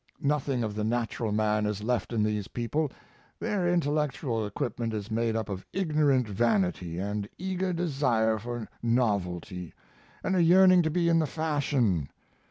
Nothing of the natural man is left in these people; their intellectual equipment is made up of ignorant vanity and eager desire for novelty, and a yearning to be in the fashion.